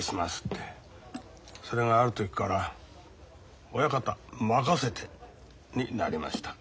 それがある時から「親方任せて」になりました。